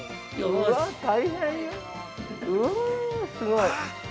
うわ、すごい。